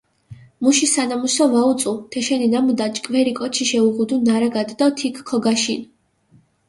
მუში სანამუსო ვაუწუ, თეშენი ნამუდა ჭკვერი კოჩიშე უღუდუ ნარაგადჷ დო თიქჷ ქოგაშინჷ.